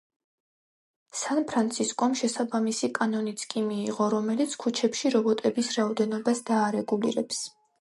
სან-ფრანცისკომ შესაბამისი კანონიც კი მიიღო, რომელიც ქუჩებში რობოტების რაოდენობას დაარეგულირებს.